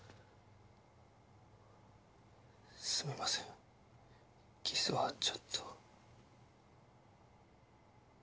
すみませんキスはちょっと。